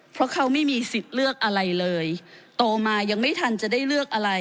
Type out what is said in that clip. เพราะเขาไม่มีสิทธิ์เลือกอะไรเลยโตมายังไม่ทันจะได้เลือกอะไร